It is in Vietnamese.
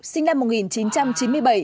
sinh năm một nghìn chín trăm chín mươi bảy